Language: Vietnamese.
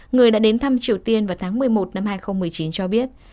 người đã đến thăm triều tiên vào tháng một mươi một năm hai nghìn một mươi chín cho biết